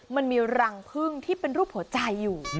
มันมีรังพึ่งที่เป็นรูปหัวใจอยู่